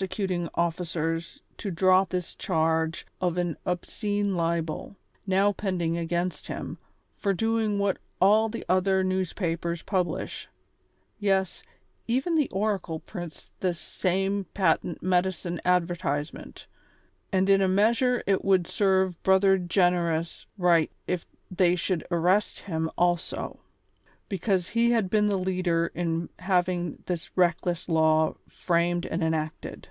lut cuting officers to drop this charge of au Obscene Libel, now pending against him, for doing what all the otlier news papers publisli ; yes, even the Oracle prints this same patent medicine advertisement, and in a measure it would serve Brotlier Generous right if they should arrest him also, because he had been the leader in having this reckless law framed and enacted.